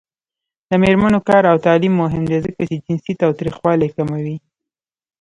د میرمنو کار او تعلیم مهم دی ځکه چې جنسي تاوتریخوالی کموي.